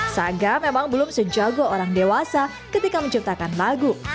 saga memang belum sejago orang dewasa ketika menciptakan lagu